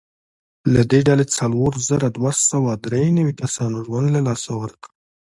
له دې ډلې څلور زره دوه سوه درې نوي کسانو ژوند له لاسه ورکړ.